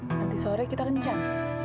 nanti sore kita kencan